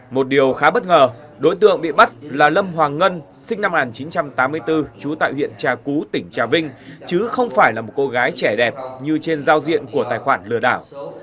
một điều khá bất ngờ đối tượng bị bắt là lâm hoàng ngân sinh năm một nghìn chín trăm tám mươi bốn trú tại huyện trà cú tỉnh trà vinh chứ không phải là một cô gái trẻ đẹp như trên giao diện của tài khoản lừa đảo